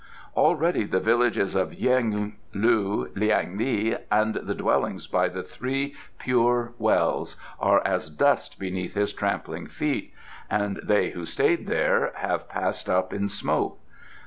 Already the villages of Yeng, Leu, Liang li and the Dwellings by the Three Pure Wells are as dust beneath his trampling feet, and they who stayed there have passed up in smoke.